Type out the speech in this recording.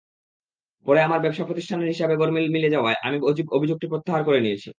পরে আমার ব্যবসাপ্রতিষ্ঠানের হিসাবের গরমিল মিলে যাওয়ায় আমি অভিযোগটি প্রত্যাহার করে নিয়েছি।